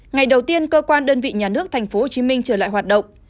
ngày đầu tiên cơ quan đơn vị nhà nước tp hcm trở lại hoạt động